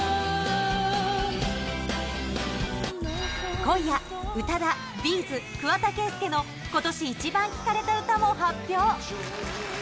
今夜、宇多田、Ｂ’ｚ、桑田佳祐の今年イチバン聴かれた歌も発表。